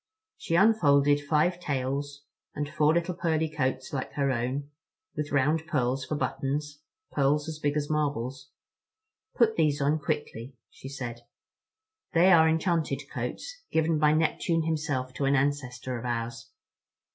She unfolded five tails, and four little pearly coats like her own, with round pearls for buttons, pearls as big as marbles. "Put these on quickly," she said, "they are enchanted coats, given by Neptune himself to an ancestor of ours.